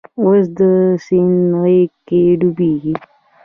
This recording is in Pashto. اوس د سیند غیږ کې ډوبیږې